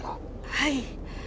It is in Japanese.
はい。